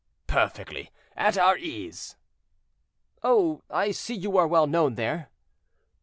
"Perfectly at our ease." "Oh! I see you are well known there."